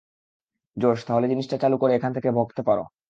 জোশ, তাহলে জিনিসটা চালু করে এখান থেকে ভাগতে পারবো?